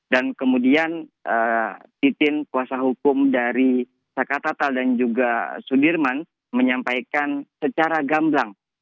dan kemudian titin kuasa hukum dari saka tatal dan juga sudirman menyampaikan secara gamblang